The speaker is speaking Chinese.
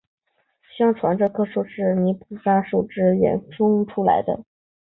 相传这棵树是菩提伽耶摩诃菩提树南枝衍生出来的。